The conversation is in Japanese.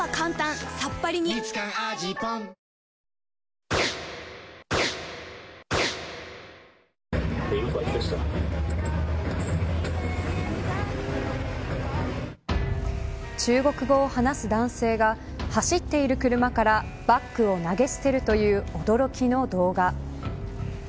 「ビオレ」中国語を話す男性が走っている車からバッグを投げ捨てるという驚きの動画。